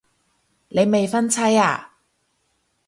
你未婚妻啊